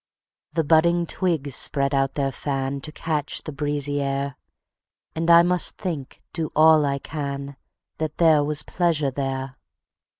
The budding twigs spread out their fan, To catch the breezy air; And I must think, do all I can, That there was pleasure there.